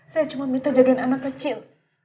saya cuma minta jagain anak kecil